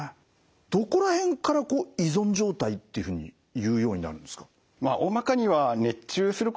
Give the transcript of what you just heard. どこら辺から依存状態っていうふうにいうようになるんですか？